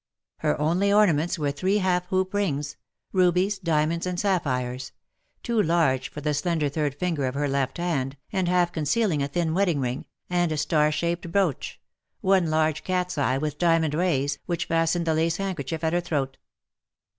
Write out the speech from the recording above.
Her only ornaments were three half hoop rings — rubies, diamonds, and sapphires — too large for the slender third finger of her left hand, and half concealing a thin wedding ring — and a star shaped brooch — one large cat's eye with diamond rays, which fastened the lace handkerchief at her throat.